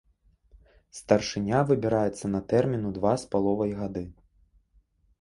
Старшыня выбіраецца на тэрмін у два з паловай гады.